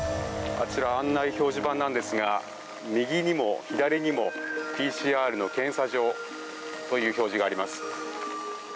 あちら案内表示板なんですが右にも左にもＰＣＲの検査場という表示があります。